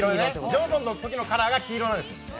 「ジョンソン」のカラーが黄色なんです。